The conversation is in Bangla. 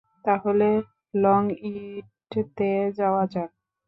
তাহলে লংইউতে যাওয়া যাক।